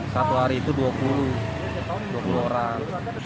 satu hari itu dua puluh orang